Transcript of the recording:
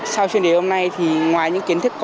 sau chuyên đề hôm nay thì ngoài những kiến thức con đã có